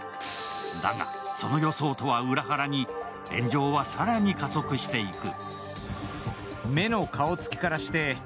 だが、その予想とは裏腹に炎上は更に加速していく。